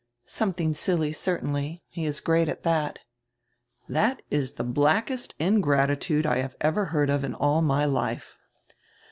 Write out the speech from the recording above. "Something silly, certainly. He is great at that." "That is the blackest ingratitude I have ever heard of in all my life."